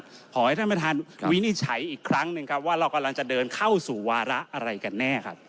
ขอให้ท่านประธานวินิจฉัยอีกครั้งหนึ่งครับว่าเรากำลังจะเดินเข้าสู่วาระอะไรกันแน่ครับ